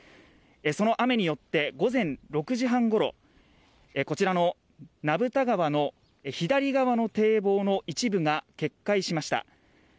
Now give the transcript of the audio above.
その雨によって午前６時半ごろこちらの名蓋川の左側の堤防の一部が決壊しました。